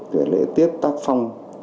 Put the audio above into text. về lễ tiết tác phong